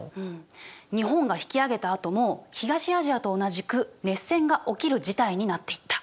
日本が引き揚げたあとも東アジアと同じく熱戦が起きる事態になっていった。